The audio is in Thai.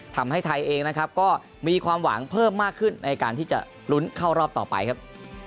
ทำให้ไทยเองนะครับก็มีความหวังเพิ่มมากขึ้นในการที่จะลุ้นเข้ารอบต่อไปครับ